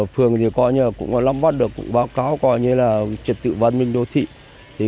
phường cũng lắm bắt được báo cáo triệt tự văn minh đô thị